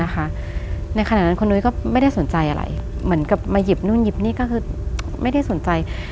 ในขณะนั้นคุณนุ้ยก็ไม่ได้สนใจอะไรเหมือนกับมาหยิบนู่นหยิบนี่ก็คือไม่ได้สนใจ